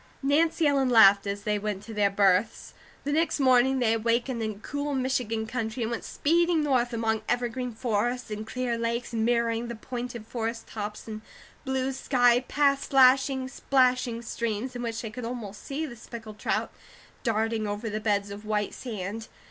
Nancy Ellen laughed, as they went to their berths. The next morning they awakened in cool Michigan country and went speeding north among evergreen forests and clear lakes mirroring the pointed forest tops and blue sky, past slashing, splashing streams, in which they could almost see the speckled trout darting over the beds of white sand.